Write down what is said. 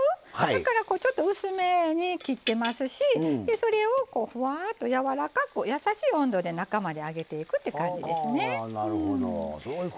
だから、ちょっと薄めに切ってますしそれを、ふわーっと、やわらかく優しい温度で中まで揚げていくって感じですね。